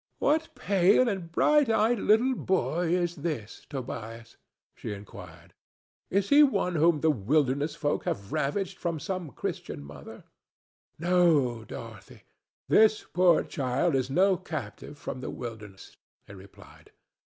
"What pale and bright eyed little boy is this, Tobias?" she inquired. "Is he one whom the wilderness folk have ravished from some Christian mother?" "No, Dorothy; this poor child is no captive from the wilderness," he replied.